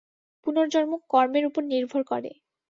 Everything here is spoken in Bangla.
পুনর্জন্ম কর্মের উপর নির্ভর করে।